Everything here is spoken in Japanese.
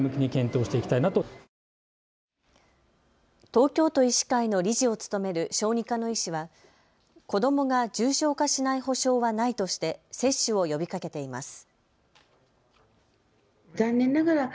東京都医師会の理事を務める小児科の医師は子どもが重症化しない保証はないとして接種を呼びかけています。